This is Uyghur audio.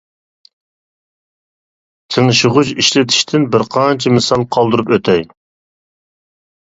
تىڭشىغۇچ ئىشلىتىشتىن بىر قانچە مىسال قالدۇرۇپ ئۆتەي.